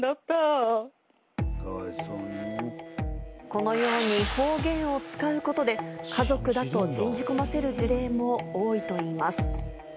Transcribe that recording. このように方言を使うことで家族だと信じ込ませる事例も多いといいます。